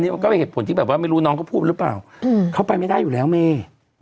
มันก็เป็นเหตุผลที่แบบว่าไม่รู้น้องเขาพูดหรือเปล่าเขาไปไม่ได้อยู่แล้วเม